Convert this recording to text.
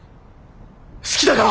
好きだから。